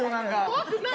怖くない！